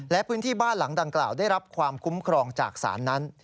และพื้นที่บ้านหลังดังกล่าวได้รับความคุ้มครองจากศาลนั้น